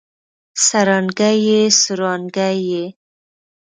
سرانګې ئې ، څرانګې ئې